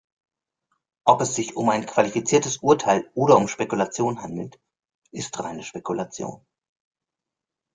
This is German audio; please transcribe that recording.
Ob es sich um ein qualifiziertes Urteil oder um Spekulation handelt, ist reine Spekulation.